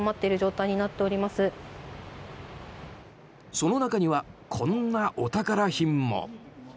その中には、こんなお宝品も。